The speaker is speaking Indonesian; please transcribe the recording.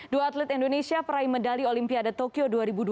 dua atlet indonesia peraih medali olimpiade tokyo dua ribu dua puluh